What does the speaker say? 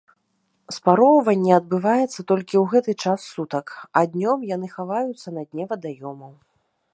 Спароўванне адбываецца толькі ў гэты час сутак, а днём яны хаваюцца на дне вадаёмаў.